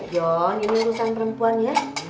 john ini urusan perempuan ya